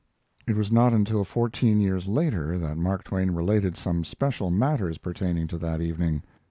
It was not until fourteen years later that Mark Twain related some special matters pertaining to that evening.